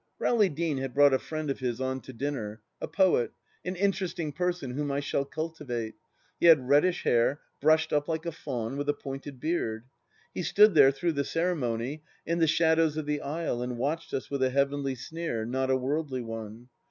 Rowley Deane had brought a friend of his on to dinner : a poet, an interesting person whom I shall cultivate. He had reddish hair, brushed up like a faun, with a pointed beard. He stood there, through the ceremony, in the shadows of the aisle and watched us with a heavenly sneer, not a worldly one.